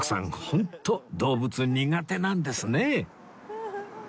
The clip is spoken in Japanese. ホント動物苦手なんですね